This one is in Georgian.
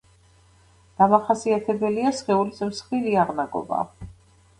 დამახასიათებელია სხეულის მსხვილი აღნაგობა.